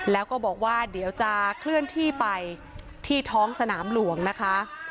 แล้วก็บอกว่าเดี๋ยวจะเคลื่อนที่ไปที่ท้องสนามหลวงนะคะ